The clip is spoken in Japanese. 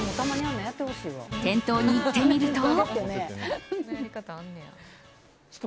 店頭に行ってみると。